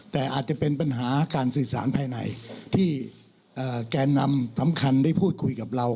แต่อาจจะเป็นปัญหาการสื่อสารภายในที่แกนนำสำคัญได้พูดคุยกับเรา